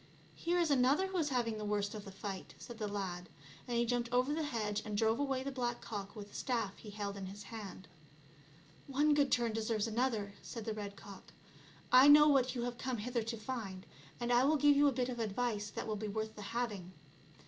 " Here is another who is having the worst €^f the fight," said the lad, and he jumped over the hedge, and drove away the black cock with the staff he held in his hand. " One good turn deserves another," said the red cock. " I know what you have come hither to find, and I will give you a bit of advice that will be worth the having.